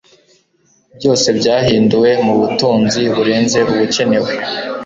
Byose byahinduwe mubutunzi burenze ubukenewe